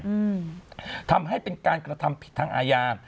อืมทำให้เป็นการกระทำผิดทางอาญา